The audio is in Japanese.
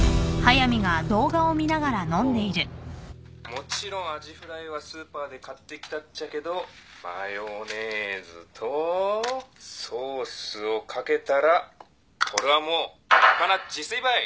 もちろんあじフライはスーパーで買ってきたっちゃけどマヨネーズとソースを掛けたらこれはもう立派な自炊ばい。